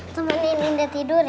teman ini udah tidur ya